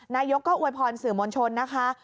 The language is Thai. นายกก็อวยพรสื่อมวลชนนะคะ